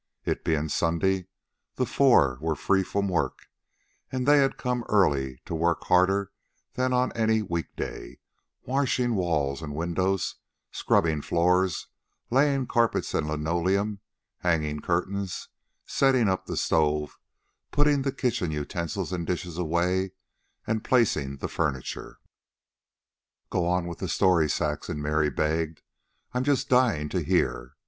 It being Sunday, the four were free from work, and they had come early, to work harder than on any week day, washing walls and windows, scrubbing floors, laying carpets and linoleum, hanging curtains, setting up the stove, putting the kitchen utensils and dishes away, and placing the furniture. "Go on with the story, Saxon," Mary begged. "I'm just dyin' to hear.